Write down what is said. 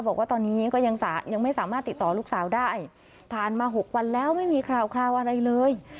บอกว่าตอนนี้ก็ยังยังไม่สามารถติดต่อลูกสาวได้ผ่านมา๖วันแล้วไม่มีคราวอะไรเลย